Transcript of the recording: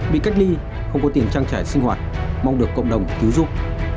bị cách ly không có tiền trang trải sinh hoạt mong được cộng đồng cứu giúp